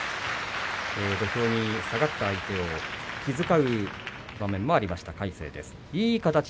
土俵に下がった相手を気遣う場面もありました。